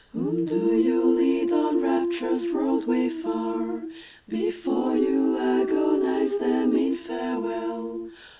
Whom do you lead on Rapture's roadway, far, Before you agonise them in farewell?